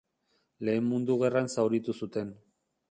Lehen Mundu Gerran zauritu zuten.